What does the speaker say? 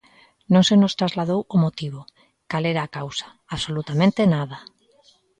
Non se nos trasladou o motivo, cal era a causa; absolutamente nada.